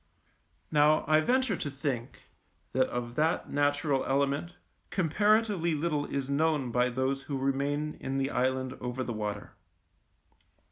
Now I venture to think that of that natural element comparatively little is known by those who remain in the island over the water.